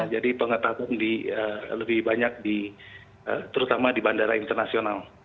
jadi pengetatan lebih banyak terutama di bandara internasional